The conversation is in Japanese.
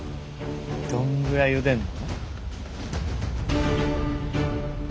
どんぐらいゆでんの？